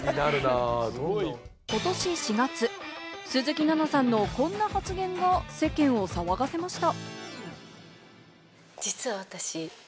ことし４月、鈴木奈々さんのこんな発言が世間を騒がせました。